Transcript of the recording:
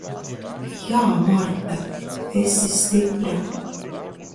Jā, Marta. Esi stipra.